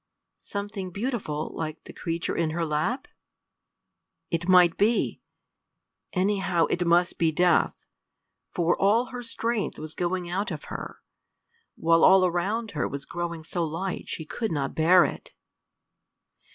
Something beautiful, like the creature in her lap? It might be! Anyhow, it must be death; for all her strength was going out of her, while all around her was growing so light she could not bear it!